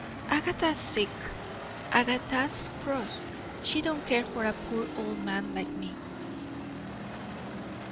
"Agatha's sick, Agatha's cross; she don't care for a poor old man like me."